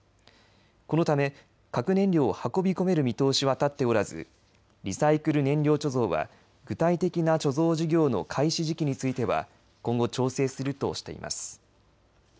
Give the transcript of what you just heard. このため、核燃料を運び込める見通しは立っておらずリサイクル燃料貯蔵は具体的な貯蔵事業の開始時期については今後、調整するとしています。